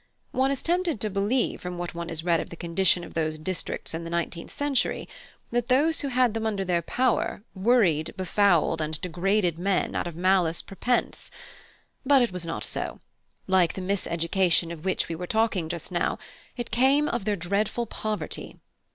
One is tempted to believe from what one has read of the condition of those districts in the nineteenth century, that those who had them under their power worried, befouled, and degraded men out of malice prepense: but it was not so; like the mis education of which we were talking just now, it came of their dreadful poverty.